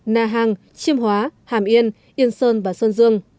na hàng chiêm hóa hàm yên yên sơn và sơn dương